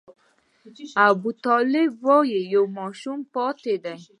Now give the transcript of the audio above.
ابوطالب وايي یو ماشوم پاتې دی.